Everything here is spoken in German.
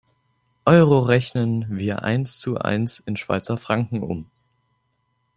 Euro rechnen wir eins zu eins in Schweizer Franken um.